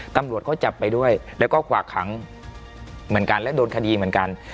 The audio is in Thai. ตำรวจก็จับไปด้วยแล้วก็ขวากขังเหมือนกันและโดนคดีเหมือนกัน